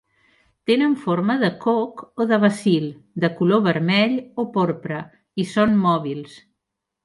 Tenen forma de coc o de bacil, de color vermell o porpra i són mòbils.